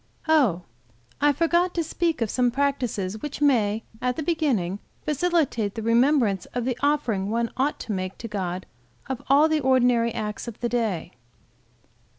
"O forgot to speak of some practices which may, at the beginning, facilitate the remembrance of the offering one ought to make to God, of all the ordinary acts of the day.